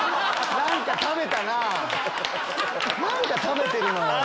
何か食べてるのよ。